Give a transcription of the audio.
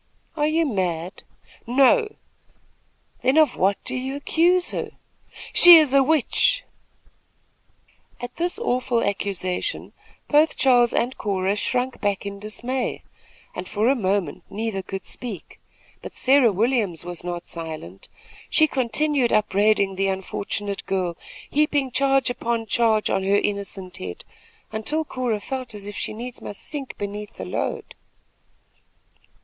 "Are you mad?" "No." "Then of what do you accuse her?" "She is a witch." At this awful accusation both Charles and Cora shrunk back in dismay, and for a moment neither could speak; but Sarah Williams was not silent. She continued upbraiding the unfortunate girl, heaping charge upon charge on her innocent head, until Cora felt as if she needs must sink beneath the load.